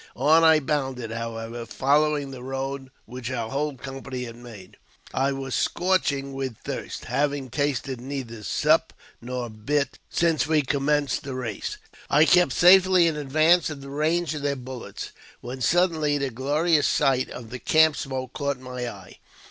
On I bounded, however, following the road which our whole company had made. I was scorching with thirst, having tasted neither sup nor bit since we commenced 118 AUTOBIOGBAPHY OF the race. Still on I went with the speed of an antelope. I kept safely in advance of the range of their bullets, when sud denly the glorious sight of the camp smoke caught my eye.